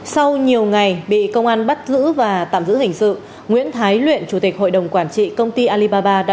sau nhiều ngày bị công an bắt giữ và tạm giữ hình sự nguyễn thái luyện chủ tịch hội đồng quản trị công ty alibaba đã